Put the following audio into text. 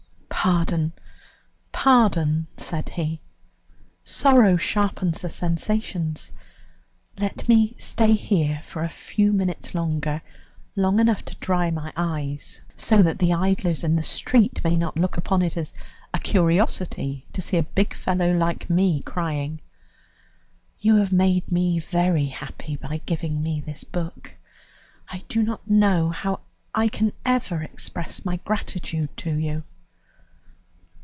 "Pardon, pardon," said he; "sorrow sharpens the sensations. Let me stay here for a few minutes longer, long enough to dry my eyes, so that the idlers in the street may not look upon it as a curiosity to see a big fellow like me crying. You have made me very happy by giving me this book. I do not know how I can ever express my gratitude to you."